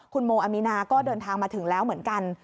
คุณโมอามีนาก็เดินทางมาถึงแล้วเหมือนกัน